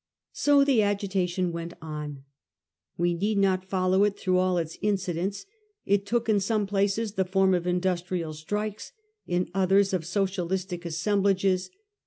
So the agitation went on. We need not follow it through all its incidents. It took in some places the form of industrial strikes ; in others, of socialistic assemblages.